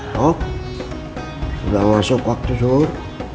sok sudah masuk waktu sur